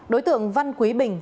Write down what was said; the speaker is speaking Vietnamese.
đối tượng văn quý bình